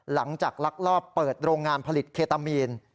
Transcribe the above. หลังจากลักลอบเปิดโรงงานผลิตเคตามีน